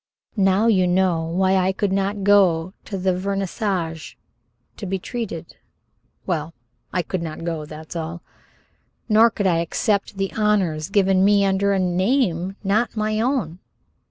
Now you know why I could not go to the Vernissage, to be treated well, I could not go, that's all. Nor could I accept the honors given me under a name not my own.